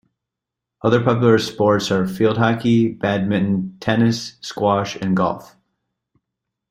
Other popular sports are field hockey, badminton, tennis, squash and golf.